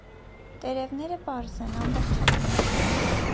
Տերևներն պարզ են, ամբողջական։